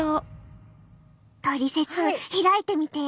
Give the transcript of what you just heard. トリセツ開いてみて。